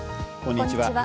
こんにちは。